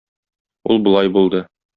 Ул болай булды.